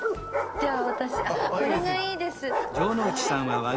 じゃあ僕これがいいです。